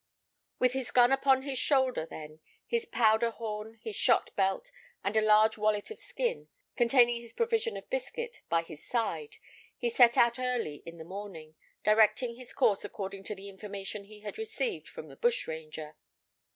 With his gun upon his shoulder, then, his powder horn, his shot belt, and a large wallet of skin, containing his provision of biscuit, by his side, he set out early in the morning, directing his course according to the information he had received from the bushranger.